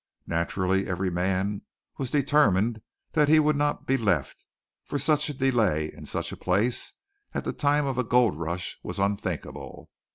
Naturally every man was determined that he would not be left; for such a delay, in such a place, at the time of a gold rush was unthinkable.